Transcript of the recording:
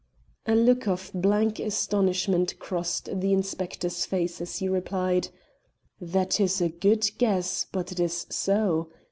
A look of blank astonishment crossed the inspector's face as he replied: "That is a good guess, but it is so.